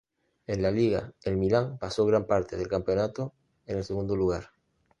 En la liga, el Milan pasó gran parte del campeonato en el segundo lugar.